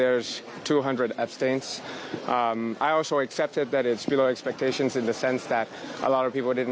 อย่างที่บอกว่าคงจะต้องมียุทธศาสตร์ในการเลือก